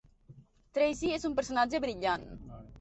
Tracy és un personatge brillant.